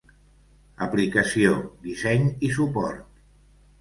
Aplicació, disseny i suport.